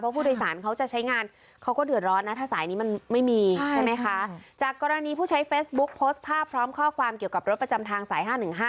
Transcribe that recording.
โพสต์ภาพพร้อมข้อความเกี่ยวกับรถประจำทางสาย๕๑๕